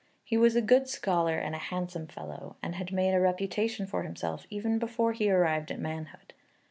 He was a good scholar and a handsome fellow, and had made a reputation for himself even before he arrived at manhood.